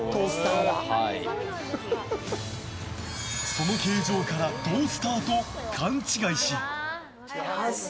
その形状からトースターと勘違いし。